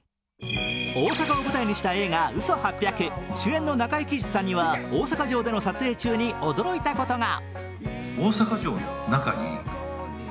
大阪を舞台にした映画「嘘八百」主演の中井貴一さんには大阪城での撮影中に驚いたことが。